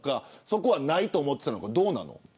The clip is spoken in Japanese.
そこは、ないと思っていたのかどうなの。